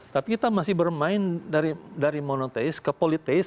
tapi kita masih bermain dari monotheis ke politik